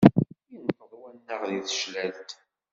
Inṭeḍ wanaɣ di teclalt.